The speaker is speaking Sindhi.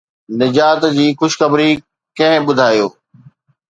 نجات جي خوشخبري ڪنهن ٻڌايو؟